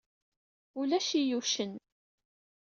Ulac iyucen.